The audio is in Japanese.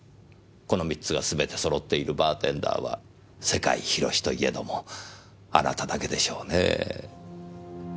この３つがすべて揃っているバーテンダーは世界広しといえどもあなただけでしょうねぇ。